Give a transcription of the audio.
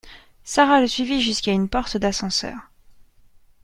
Sara le suivi jusqu’à une porte d’ascenseur.